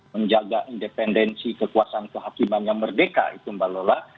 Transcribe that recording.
menjaga independensi kekuasaan kehakiman yang merdeka itu mbak lola